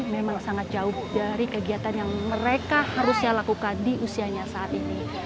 memang sangat jauh dari kegiatan yang mereka harusnya lakukan di usianya saat ini